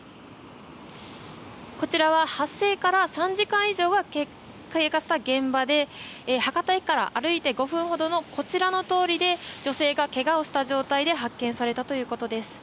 こちらは発生から３時間以上が経過した現場で博多駅から歩いて５分ほどのこちらの通りで女性がけがをした状態で発見されたということです。